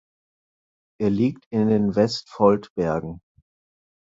Er liegt in den Vestfoldbergen.